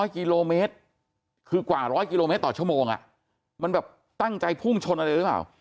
กิโลเมตรคือกว่า๑๐๐กิโลเมตรต่อชั่วโมงมันแบบตั้งใจพุ่งชนอะไรหรือเปล่า